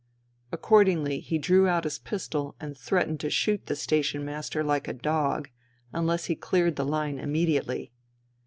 Accordingly he drew out his pistol and threatened to shoot the station master like a dog unless he cleared the line immediately.